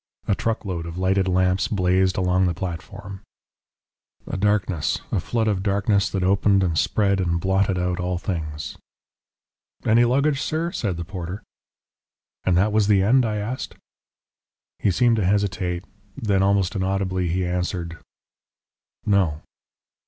A truckload of lighted lamps blazed along the platform. "A darkness, a flood of darkness that opened and spread and blotted out all things." "Any luggage, sir?" said the porter. "And that was the end?" I asked. He seemed to hesitate. Then, almost inaudibly, he answered, "No."